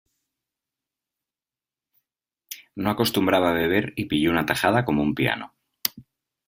No acostumbraba a beber y pilló una tajada como un piano